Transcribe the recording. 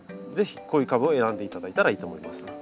是非こういう株を選んで頂いたらいいと思います。